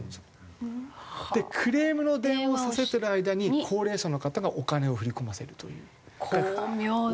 クレームの電話をさせてる間に高齢者の方がお金を振り込ませるという。